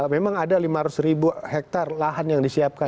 memang ada lima ratus ribu hektare lahan yang disiapkan